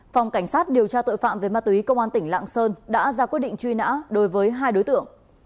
phòng cảnh sát điều tra tội phạm về ma túy công an tỉnh lạng sơn đã ra quyết định truy nã đối với hai đối tượng